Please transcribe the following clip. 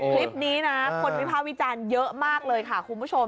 คลิปนี้นะคนวิภาควิจารณ์เยอะมากเลยค่ะคุณผู้ชม